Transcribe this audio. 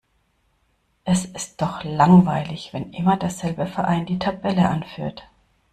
Es ist doch langweilig, wenn immer derselbe Verein die Tabelle anführt.